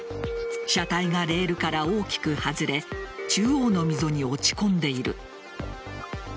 車体がレールから大きく外れ中央の溝に落ち込んでいる。